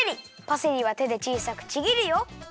パセリはてでちいさくちぎるよ。